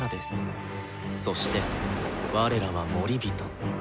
そして我らは守人。